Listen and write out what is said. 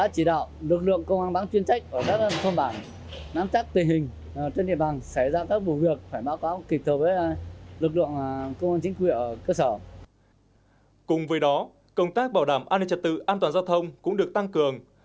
cùng với đó công tác bảo đảm an ninh trật tự an toàn giao thông cũng được tăng cường